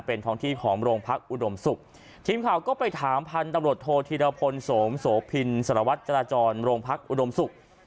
เป็นท้องที่ของโรงพักอุดมศุกร์ทีมข่าวก็ไปถามพันธุ์ตำรวจโทษธีรพลโสมินสารวัตรจราจรโรงพักอุดมศุกร์